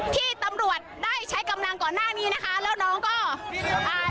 ที่ตำรวจได้ใช้กำลังก่อนหน้านี้นะคะแล้วน้องก็อ่า